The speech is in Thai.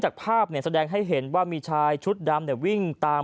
จากภาพแสดงให้เห็นว่ามีชายชุดดำวิ่งตาม